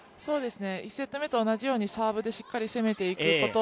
１セット目と同じようにサーブでしっかり攻めていくこと